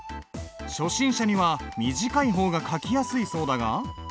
初心者には短い方が書きやすいそうだが。